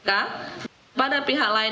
tentang pemberantasan tindak pidana korupsi